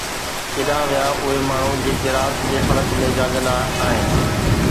ڪيڏانهن ويا اهي ماڻهو جيڪي رات جي فرق ۾ جاڳندا آهن؟